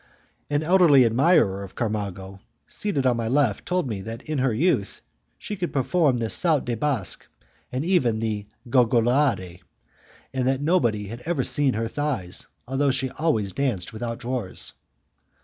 An elderly admirer of Camargo, seated on my left, told me that in her youth she could perform the 'saut de basque' and even the 'gargouillade', and that nobody had ever seen her thighs, although she always danced without drawers.